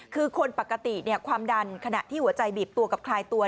คือคนปกติความดันขณะที่หัวใจบีบตัวกับคลายตัว